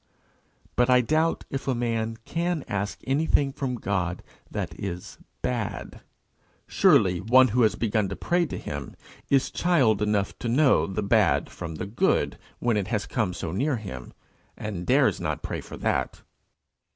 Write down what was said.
But I doubt if a man can ask anything from God that is bad. Surely one who has begun to pray to him is child enough to know the bad from the good when it has come so near him, and dares not pray for that.